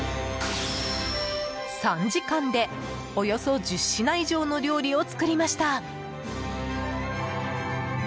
３時間で、およそ１０品以上の料理を作りました。